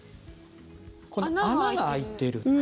ここに穴が開いている。